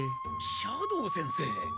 斜堂先生？